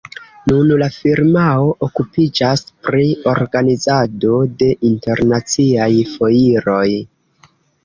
Nun la firmao okupiĝas pri organizado de internaciaj foiroj.